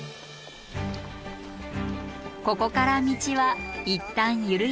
ここから道はいったん緩やかに。